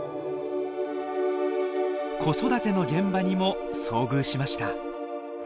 子育ての現場にも遭遇しました。